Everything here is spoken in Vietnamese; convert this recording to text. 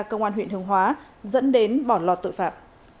công an huyện hương hóa dẫn đến bỏ lọt tội phạm